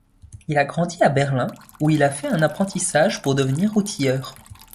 Il a grandi à Berlin, où il a fait un apprentissage pour devenir outilleur.